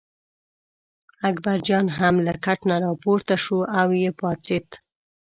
اکبرجان هم له کټ نه راپورته شو او یې پاڅېد.